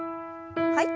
はい。